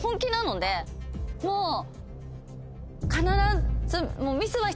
もう必ず。